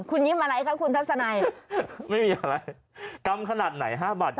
คุณยิ้มอะไรคะคุณทัศนัยไม่มีอะไร